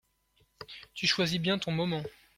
Tu choisis bien ton moment !